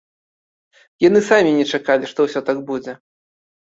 Яны самі не чакалі, што ўсё так будзе.